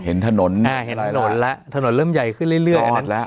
เห็นถนนเถอะมัแค่เห็นถนนแหละถนนเริ่มใหญ่ขึ้นเรื่อรอดแหละ